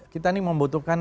kita ini membutuhkan